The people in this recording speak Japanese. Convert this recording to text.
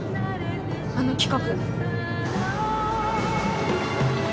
あの企画。